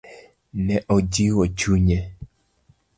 Ne ojiwo chunye.